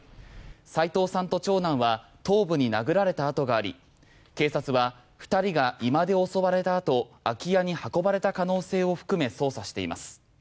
齋藤さんと長男は頭部に殴られた痕があり警察は２人が居間で襲われた後空き家に運ばれた可能性を含め捜査しています。